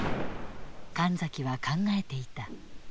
神崎は考えていた。